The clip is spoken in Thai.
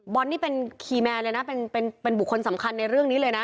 บอลนี่เป็นเลยนะเป็นเป็นเป็นบุคคลสำคัญในเรื่องนี้เลยนะ